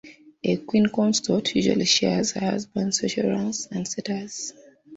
A queen consort usually shares her husband's social rank and status.